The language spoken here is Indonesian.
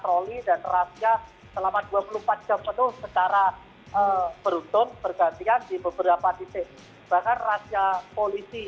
ini yang sedikit berbanding terbalik